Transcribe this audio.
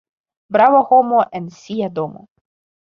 Brava homo en sia domo.